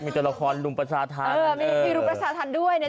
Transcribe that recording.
มีลุมประสาทรรศ์ด้วยนะจ๊ะ